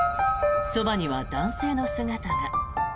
そばには男性の姿が。